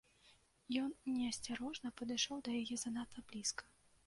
Ён неасцярожна падышоў да яе занадта блізка.